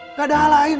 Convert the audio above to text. gak ada hal lain